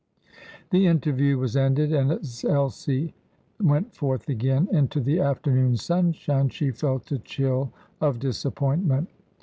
The interview was ended; and as Elsie went forth again into the afternoon sunshine she felt a chill of disappointment.